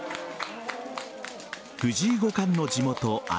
藤井五冠の地元・